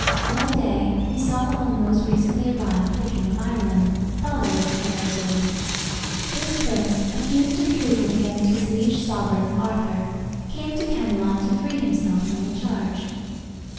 One day he saw among those recently arrived the king of Ireland, father of the fair Isoude. This prince, accused of treason against his liege sovereign, Arthur, came to Camelot to free himself from the charge.